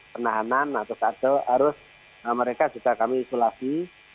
penahanan atau kato harus mereka juga kami isi